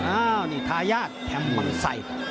อ้าวนี่ทายาทแถมบังไซค์